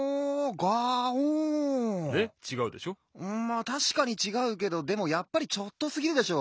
まったしかにちがうけどでもやっぱりちょっとすぎるでしょ。